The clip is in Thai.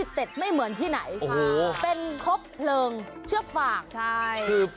ที่เราเลือกมาตัดไม่เหมือนที่ไหน